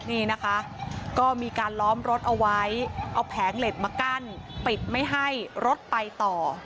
นี่นะคะก็มีการล้อมรถเอาไว้เอาแผงเหล็กมากั้นปิดไม่ให้รถไปต่อ